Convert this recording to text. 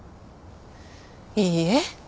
いいえ。